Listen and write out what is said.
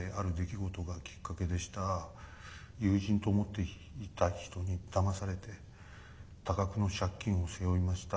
友人と思っていた人にだまされて多額の借金を背負いました。